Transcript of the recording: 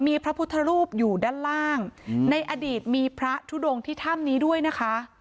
มีพระพุทธรูปอยู่ด้านล่างในอดีตมีพระทุดงที่ถ้ำนี้ด้วยนะคะ